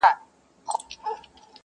• یخه سایه په دوبي ژمي کي لمبه یمه زه..